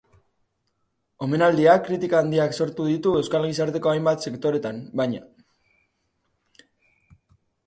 Omenaldiak kritika handiak sortu ditu euskal gizarteko hainbat sektoretan, baina.